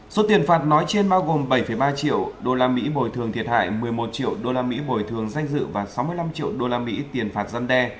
số tiền phạt nói trên bao gồm bảy ba triệu đô la mỹ bồi thường thiệt hại một mươi một triệu đô la mỹ bồi thường giách dự và sáu mươi năm triệu đô la mỹ tiền phạt dân đe